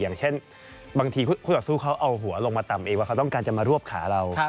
อย่างเช่นบางทีคู่ต่อสู้เขาเอาหัวลงมาต่ำเองว่าเขาต้องการจะมารวบขาเรา